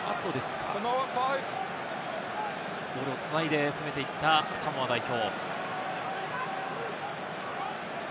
ボールを繋いで攻めていったサモア代表。